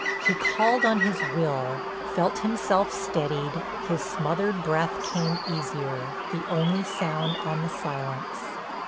He called on his will, felt himself steadied, his smothered breath came easier, the only sound on the silence.